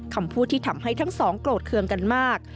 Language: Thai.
คำพูดที่ทำให้ทั้งสองโกรธเคืองกันมาก